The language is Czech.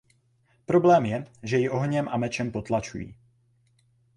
Problém je, že ji ohněm a mečem potlačují.